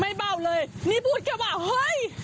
ไม่เบาเลยนี่พูดแกว่าเฮ้ย